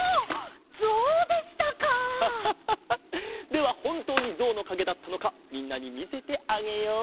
ではほんとうにゾウのかげだったのかみんなにみせてあげよう。